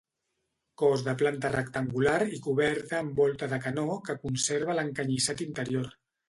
Cos de planta rectangular i coberta amb volta de canó, que conserva l'encanyissat interior.